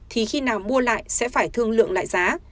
thì khi nào mua lại sẽ phải thương lượng lại giá